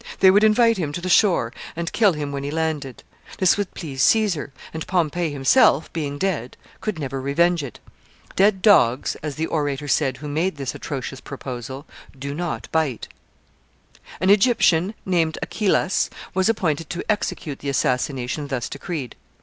They would invite him to the shore, and kill him when he landed. This would please Caesar; and Pompey himself, being dead, could never revenge it. "Dead dogs," as the orator said who made this atrocious proposal, "do not bite." [Sidenote: The assassin Achillas.] An Egyptian, named Achillas, was appointed to execute the assassination thus decreed.